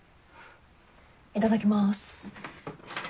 いただきます。